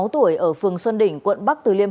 sáu tuổi ở phường xuân đỉnh quận bắc từ liêm